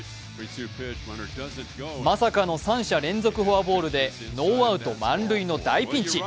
まさかの三者連続フォアボールでノーアウト満塁の大ピンチ。